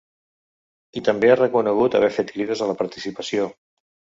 I també ha reconegut haver fet crides a la participació.